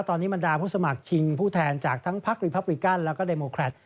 ตอนนี้บรรดาผู้สมัครชิงผู้แทนจากทั้งพักรีพับริกันแล้วก็เดโมแครต